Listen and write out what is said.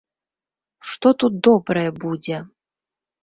Што тут добрае будзе?